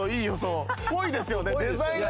っぽいですよね。